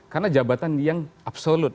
karena jabatan yang absolut